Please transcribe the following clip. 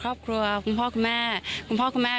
ครอบครัวคุณพ่อคุณแม่